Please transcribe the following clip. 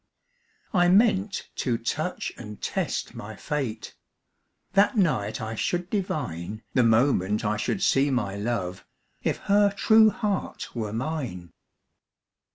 I meant to touch and test my fate; That night I should divine, The moment I should see my love, If her true heart were mine.